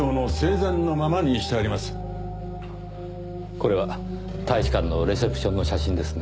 これは大使館のレセプションの写真ですね。